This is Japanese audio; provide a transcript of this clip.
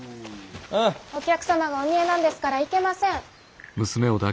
お客様がお見えなんですからいけません。